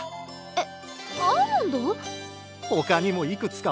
えっ。